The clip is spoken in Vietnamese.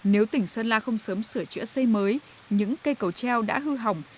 nếu tỉnh sơn la không sớm sửa chữa xây mới những cây cầu treo đã hư hỏng